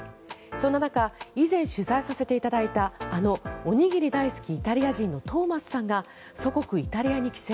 そんな中以前取材させていただいたあのおにぎり大好きイタリア人のトーマスさんが祖国イタリアに帰省。